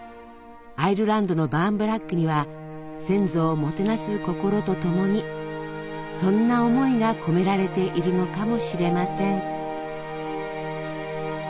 アイルランドのバーンブラックには先祖をもてなす心とともにそんな思いが込められているのかもしれません。